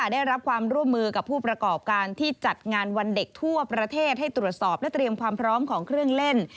ได้รับความร่วมมือกับผู้ประกอบการที่จัดงานวันเด็กทั่วประเทศให้ตรวจสอบและเตรียมความพร้อมของเครื่องเล่น